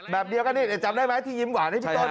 แบบเดียวกันนี่จำได้ไหมที่ยิ้มหวานให้พี่ต้น